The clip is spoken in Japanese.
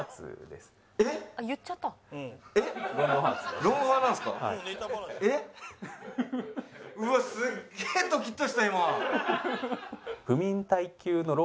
すっげえドキッとした今。